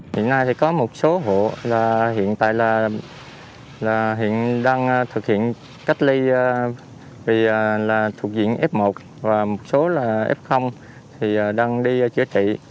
hiện nay thì có một số hộ là hiện tại là hiện đang thực hiện cách ly vì là thuộc diện f một và một số là f thì đang đi chữa trị